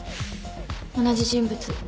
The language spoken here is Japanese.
同じ人物。